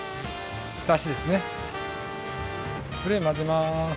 混ぜます。